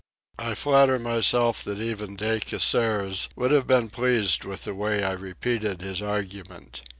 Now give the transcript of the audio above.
I flatter myself that even De Casseres would have been pleased with the way I repeated his argument.